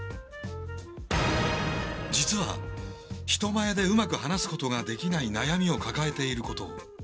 実は人前でうまく話すことができない悩みを抱えていることを。